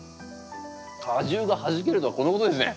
果汁がはじけるとはこのことですね。